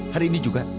hari ini juga